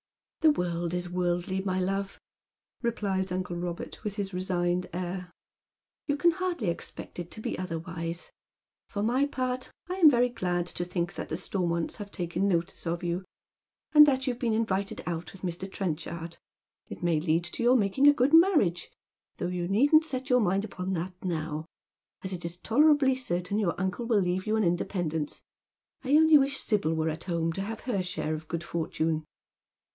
" The world is worldly, my love," replies uncle Eobert, with his resigned air. ♦' You can hardly expect it to be otherwise. For my part, I am very glad to think that the Stormonts have taken notice of you, and that you've been invited out with Mr. Trenchard. It may lead to your making a good marriage, though you needn't set your mind upon that now, as it is tolerably certain your uncle will leave you an independence. I only wish Sibyl were at home to have her share of good fortune."